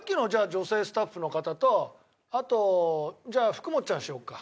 女性スタッフの方とあとじゃあふくもっちゃんにしようか。